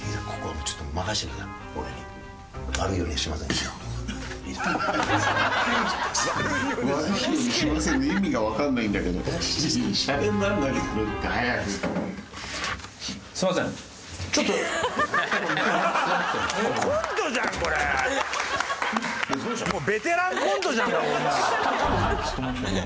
もうベテランのコントじゃんかこんなの。